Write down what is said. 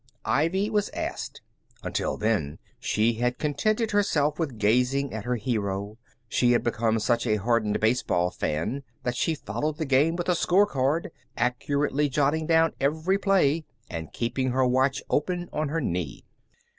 Ivy was asked. Until then she had contented herself with gazing at her hero. She had become such a hardened baseball fan that she followed the game with a score card, accurately jotting down every play, and keeping her watch open on her knee.